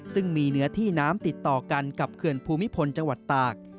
ซึ่งมีเนื้อที่น้ำติดต่อกันกับเขื่อนภูมิพลจังหวัดตาก